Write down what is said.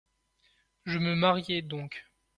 Je me mariai donc.